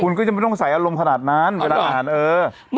คุณก็จะไม่ต้องใส่อารมณ์ขนาดนั้นเวลาอ่านเออ